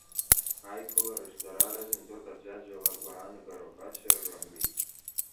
Аиԥылараҿ дара рызынтәык аӡәа-ӡәала ргәаанагарақәа цәыррымгеит.